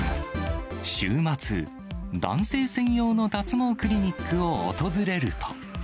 週末、男性専用の脱毛クリニックを訪れると。